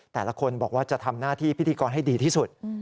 แต่ละคนบอกว่าจะทำหน้าที่พิธีกรให้ดีที่สุด